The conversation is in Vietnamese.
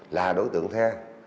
là đối tượng theo